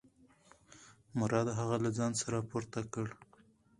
مراد هغه له ځانه سره پورته کړ.